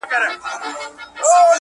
ځان یې دروند سو لکه کاڼی په اوبو کي!!